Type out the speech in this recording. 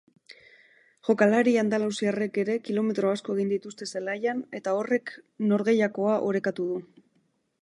Jokalari andaluziarrek ere kilometro asko egin dituzte zelaian eta horrek norgehiagoka orekatu du.